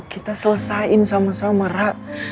kita selesain sama sama ra